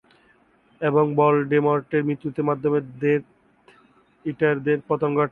এবং ভলডেমর্টের মৃত্যুর মাধ্যমে ডেথ ইটারদের পতন ঘটে।